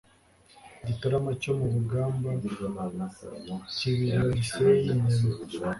Gitarama cyo mu Bugamba Kibilira Gisenyi Nyabihu